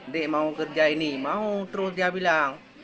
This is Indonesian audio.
dek mau kerja ini mau terus dia bilang